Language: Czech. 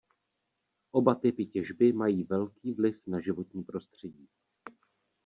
Oba typy těžby mají velký vliv na životní prostředí.